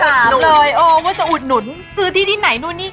เลยว่าจะอุดหนุนซื้อที่ที่ไหนนู่นนี่